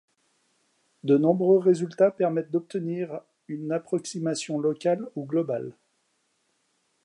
De nombreux résultats permettent d'obtenir une approximation locale ou globale.